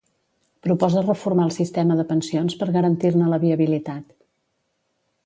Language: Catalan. Proposa reformar el sistema de pensions per garantir-ne la viabilitat.